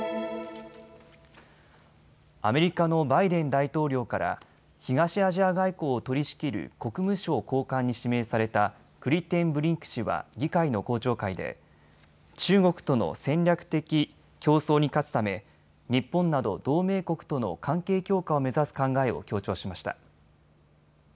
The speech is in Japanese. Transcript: アメリカのバイデン大統領から東アジア外交を取りしきる国務省高官に指名されたクリテンブリンク氏は議会の公聴会で中国との戦略的競争に勝つため日本など同盟国との関係強化を目指す考えを強調しました。